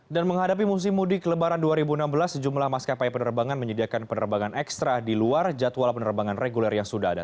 menghadapi musim mudik lebaran dua ribu enam belas sejumlah maskapai penerbangan menyediakan penerbangan ekstra di luar jadwal penerbangan reguler yang sudah ada